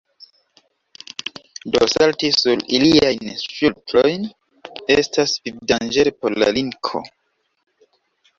Do salti sur iliajn ŝultrojn estas vivdanĝere por la linko.